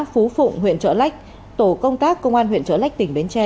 phú phụng huyện trở lách tổ công tác công an huyện trở lách tỉnh bến tre